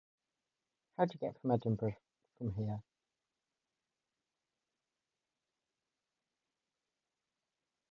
How would you get to Edinburgh from here?